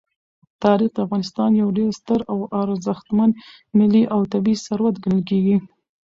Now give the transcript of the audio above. تاریخ د افغانستان یو ډېر ستر او ارزښتمن ملي او طبعي ثروت ګڼل کېږي.